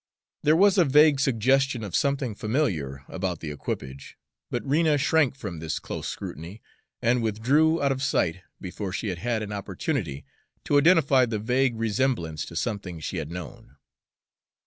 There was a vague suggestion of something familiar about the equipage, but Rena shrank from this close scrutiny and withdrew out of sight before she had had an opportunity to identify the vague resemblance to something she had known.